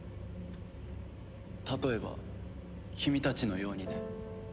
例えば君たちのようにね。